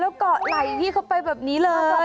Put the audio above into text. แล้วเกาะไหล่พี่เข้าไปแบบนี้เลย